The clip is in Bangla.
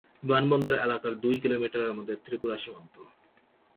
বিমানবন্দর এলাকার দুই কিলোমিটারের মধ্যে ত্রিপুরা সীমান্ত।